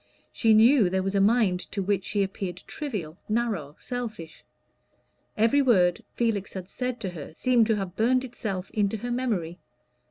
She knew there was a mind to which she appeared trivial, narrow, selfish. Every word Felix had said to her seemed to have burned itself into her memory.